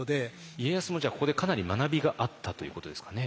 家康もじゃあここでかなり学びがあったということですかね。